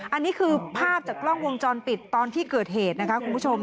อันนี้คือภาพจากกล้องวงจรปิดตอนที่เกิดเหตุนะคะคุณผู้ชม